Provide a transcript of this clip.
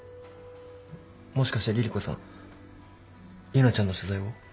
もしかして凛々子さん結奈ちゃんの取材を？